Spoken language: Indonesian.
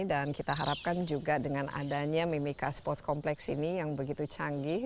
dan kita harapkan juga dengan adanya mimika sports complex ini yang begitu canggih